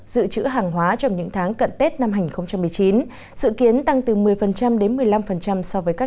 dự trữ hàng hóa trong những tháng cận tết năm hai nghìn một mươi chín dự kiến tăng từ một mươi đến một mươi năm so với các